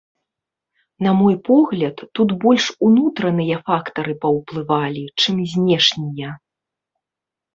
На мой погляд, тут больш унутраныя фактары паўплывалі, чым знешнія.